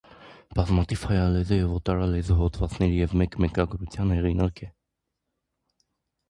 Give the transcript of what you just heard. Բազմաթիվ հայալեզու և օտարալեզու հոդվածների և մեկ մենագրության հեղինակ է։